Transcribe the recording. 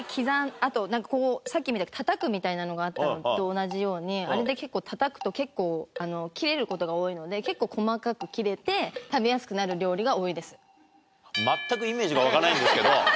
あとなんかこうさっきみたくたたくみたいなのがあったのと同じようにあれで結構たたくと切れる事が多いので結構細かく切れて何料理を作ってらっしゃるんですか？